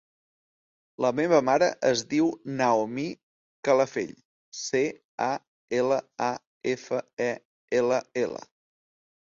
La meva mare es diu Naomi Calafell: ce, a, ela, a, efa, e, ela, ela.